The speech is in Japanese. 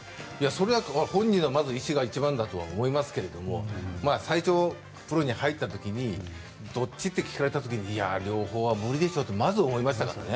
それは本人の意思がまず一番だと思いますが最初、プロに入った時にどっちって聞かれた時に両方は無理でしょうとまず思いましたからね。